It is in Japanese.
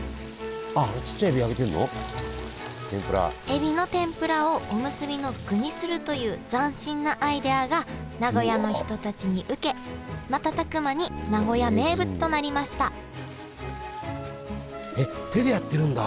エビの天ぷらをおむすびの具にするという斬新なアイデアが名古屋の人たちに受けまたたく間に名古屋名物となりましたえっ手でやってるんだ！